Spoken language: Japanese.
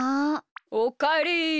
おかえり。